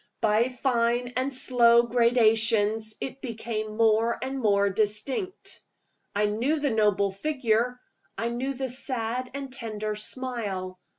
By fine and slow gradations, it became more and more distinct. I knew the noble figure; I knew the sad and tender smile.